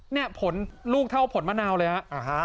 เนี่ยผลลูกเท่าผลมะนาวเลยฮะ